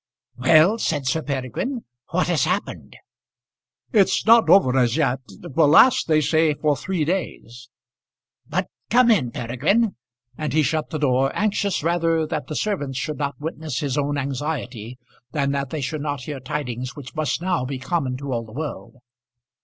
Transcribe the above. "Well," said Sir Peregrine, "what has happened?" "It is not over as yet. It will last, they say, for three days." "But come in, Peregrine;" and he shut the door, anxious rather that the servants should not witness his own anxiety than that they should not hear tidings which must now be common to all the world.